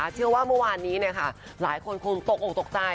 เชื่อว่าเมื่อวานนี้หลายคนคงตกออกตกใจ